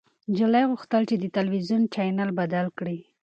نجلۍ غوښتل چې د تلويزيون چاینل بدل کړي.